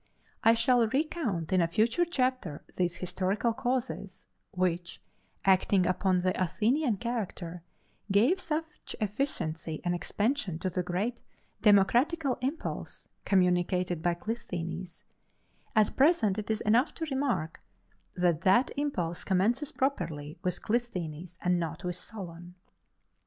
I shall recount in a future chapter these historical causes, which, acting upon the Athenian character, gave such efficiency and expansion to the great democratical impulse communicated by Clisthenes: at present it is enough to remark that that impulse commences properly with Clisthenes, and not with Solon.